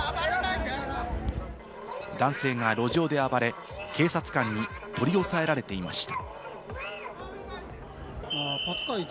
男性が路上で暴れ、警察官に取り押さえられていました。